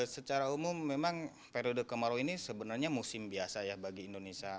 secara umum memang periode kemarau ini sebenarnya musim biasa ya bagi indonesia